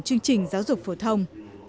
chương trình giáo dục phổ thông